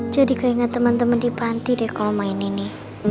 jadi keingetan temen temen di panti deh kalau main ini